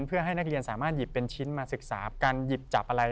เพื่อให้นักเรียนสามารถหยิบเป็นชิ้นมาศึกษาการหยิบจับอะไร